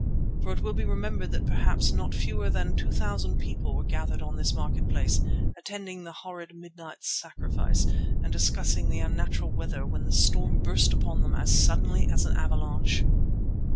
For it will be remembered that perhaps not fewer than two thousand people were gathered on this market place, attending the horrid midnight sacrifice and discussing the unnatural weather when the storm burst upon them suddenly as an avalanche.